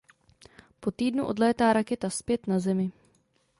Po týdnu odlétá raketa zpět na Zemi.